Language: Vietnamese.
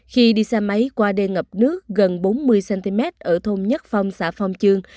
khi đi xe máy qua đề ngập nước gần bốn mươi cm ở thôn nhất phong xã phong chương